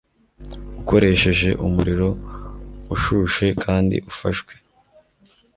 ukoresheje umuriro ushushe kandi ufashwe